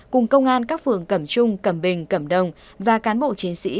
cùng công an các phường cẩm trung cẩm bình cẩm đồng và cán bộ chiến sĩ